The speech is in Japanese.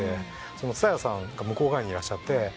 蔦谷さんが向こう側にいらっしゃって。